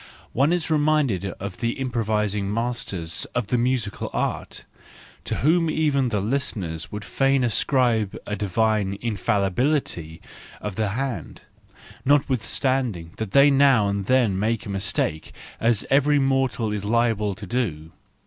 One is reminded of the improvising masters of the musical art, to whom even the listeners would fain ascribe a divine infallibility of the hand, notwithstanding that they now and then make a mistake, as every mortal is liable to do.